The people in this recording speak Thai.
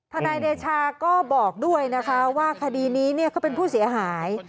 นายเดชาก็บอกด้วยนะคะว่าคดีนี้เขาเป็นผู้เสียหาย